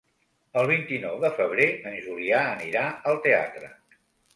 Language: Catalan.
El vint-i-nou de febrer en Julià anirà al teatre.